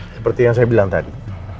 seperti yang saya bilang tadi